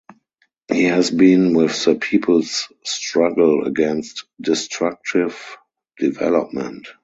He has been with the people’s struggle against destructive development.